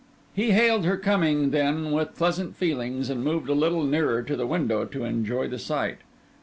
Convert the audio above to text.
He hailed her coming, then, with pleasant feelings, and moved a little nearer to the window to enjoy the sight.